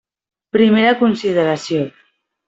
Primera consideració.